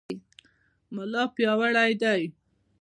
ملا پیاوړی دی.